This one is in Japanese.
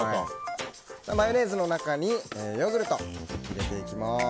マヨネーズの中にヨーグルト入れていきます。